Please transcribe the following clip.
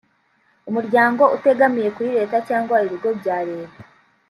umuryango utegamiye kuri leta cyangwa ibigo bya Leta